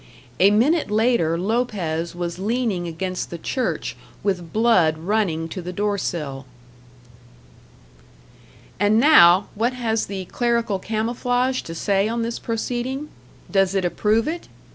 A minute later Lopez was leaning against the church with blood running to the doorsill. And now, what has the clerical camouflage to say on this proceeding? Does it approve it?